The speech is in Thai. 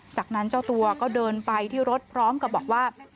จากนั้นเจ้าตัวก็เดินไปที่รถพร้อมกับบอกว่า